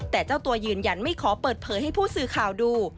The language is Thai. แต่เจ้าตัวยืนยันไม่ขอเปิดเผยให้ผู้สื่อข่าวดู